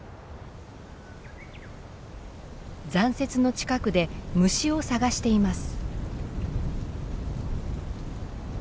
残雪の近くで虫を探しています。